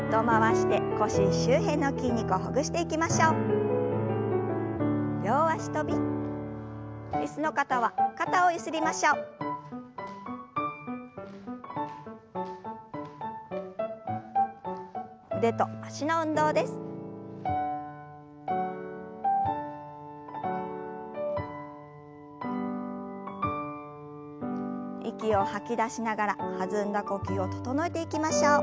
息を吐き出しながら弾んだ呼吸を整えていきましょう。